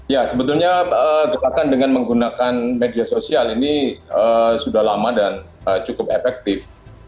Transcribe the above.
ya sebetulnya gerakan dengan menggunakan media sosial ini sudah lama dan cukup efektif